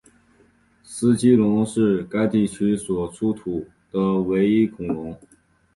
斯基龙是该地区所出土的唯一恐龙。